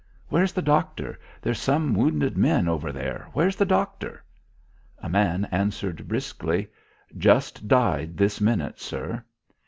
"Where's the doctor? There's some wounded men over there. Where's the doctor?" A man answered briskly: "Just died this minute, sir."